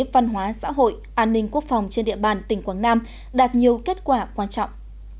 văn hóa xã hội an ninh quốc phòng trên địa bàn tỉnh quảng nam đạt nhiều kết quả quan trọng